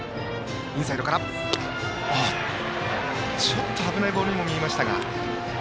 ちょっと危ないボールにも見えましたが。